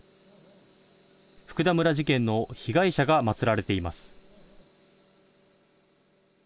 福田村事件の被害者が祭られています。